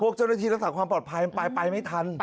พวกเจ้าหน้าที่รักษาความปลอดภัยไปไม่ทัน